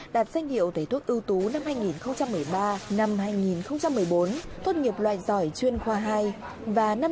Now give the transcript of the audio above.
đạt danh hiệu tẩy thuốc ưu tú năm hai nghìn một mươi ba